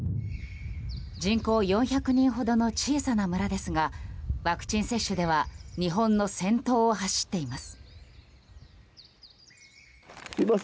人口４００人ほどの小さな村ですがワクチン接種では日本の先頭を走っています。